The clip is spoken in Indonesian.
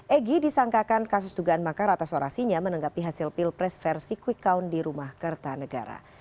egy disangkakan kasus dugaan makar atas orasinya menanggapi hasil pilpres versi quick count di rumah kertanegara